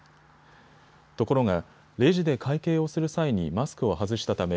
ところがレジで会計をする際にマスクを外したため